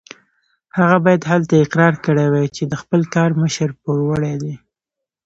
هغه باید هلته اقرار کړی وای چې د خپل کار مشر پوروړی دی.